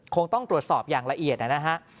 คงต้องตรวจสอบอย่างละเอียดนะฮะ